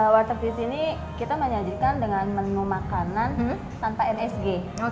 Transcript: warteg di sini kita menyajikan dengan menu makanan tanpa nsg